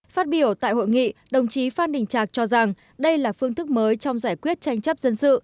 phát biểu tại hội nghị đồng chí phan đình trạc cho rằng đây là phương thức mới trong giải quyết tranh chấp dân sự